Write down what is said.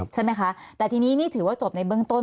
ใช่ไหมคะแต่ทีนี้นี่ถือว่าจบในเบื้องต้น